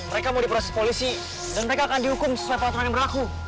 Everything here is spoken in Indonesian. mereka mau diproses polisi dan mereka akan dihukum sesuai peraturan yang berlaku